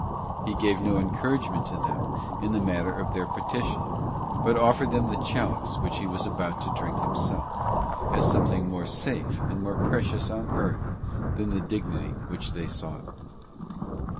He gave no encouragement to them in the matter of their petition, but offered them the chalice which He was about to drink Himself, as something more safe and more precious on earth than the dignity which they sought.